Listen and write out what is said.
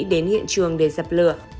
đến hiện trường để dập lửa